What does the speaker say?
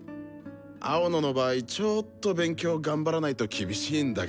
青野の場合ちょっと勉強頑張らないと厳しいんだけどさ。